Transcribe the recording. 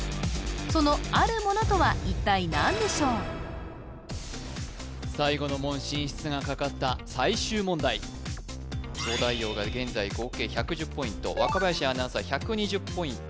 そのある物とは一体何でしょう最後の門進出がかかった最終問題東大王が現在合計１１０ポイント若林アナウンサー１２０ポイント